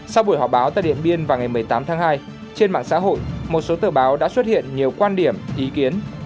sau buổi họp báo tại điện biên vào ngày một mươi tám tháng hai trên mạng xã hội một số tờ báo đã xuất hiện nhiều quan điểm ý kiến